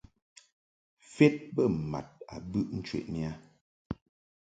Fed bə mad a bɨʼ ncheʼni a.